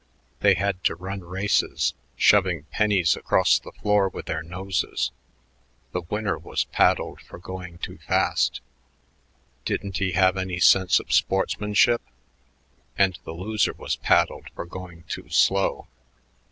They had to run races, shoving pennies across the floor with their noses. The winner was paddled for going too fast "Didn't he have any sense of sportsmanship?" and the loser was paddled for going too slow.